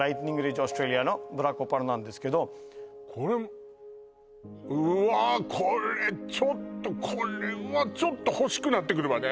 オーストラリアのブラックオパールなんですけどこれうわこれちょっとこれはちょっと欲しくなってくるわね